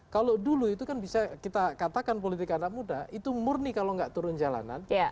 kalau dulu itu kan bisa kita katakan politik anak muda itu murni kalau nggak turun jalanan